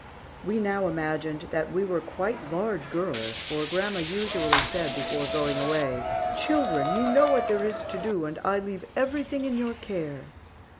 We now imagined that we were quite large girls, for grandma usually said before going away, "Children, you know what there is to do and I leave everything in your care."